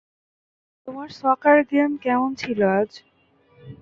তোমার soccer game কেমন ছিল আজ?